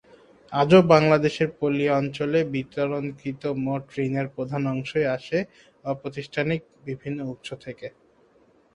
আজও বাংলাদেশের পল্লী অঞ্চলে বিতরণকৃত মোট ঋণের প্রধান অংশই আসে অপ্রাতিষ্ঠানিক বিভিন্ন উৎস থেকে।